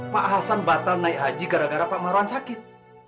pak hasan batal naik haji gara gara pak marwan sakit